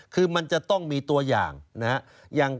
คือมันจะต้องมีตัวอย่างนะครับ